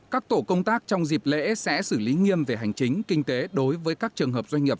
các tổ công tác trong dịp lễ sẽ xử lý nghiêm về hành chính kinh tế đối với các trường hợp doanh nghiệp